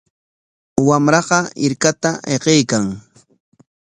Wamraqa hirkata hiqaykan.